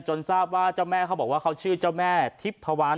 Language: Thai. ทราบว่าเจ้าแม่เขาบอกว่าเขาชื่อเจ้าแม่ทิพพวัน